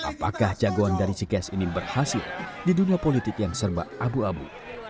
apakah jagoan dari cks ini berhasil di dunia politik yang serba abu abu